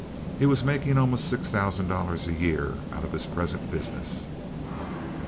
He was making almost six thousand dollars a year out of his present business.